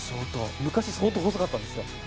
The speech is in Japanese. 昔、相当細かったですよ。